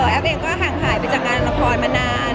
แอฟเองก็ห่างหายไปจากงานละครมานาน